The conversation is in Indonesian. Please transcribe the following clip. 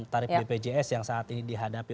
tarif bpjs yang saat ini dihadapi